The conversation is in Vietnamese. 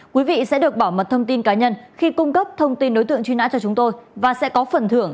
quý vị sẽ được bảo mật thông tin cá nhân khi cung cấp thông tin đối tượng truy nã cho chúng tôi và sẽ có phần thưởng